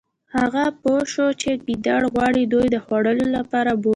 هغه پوه شو چې ګیدړ غواړي دوی د خوړلو لپاره بوزي